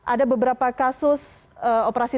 ada beberapa kasus operasi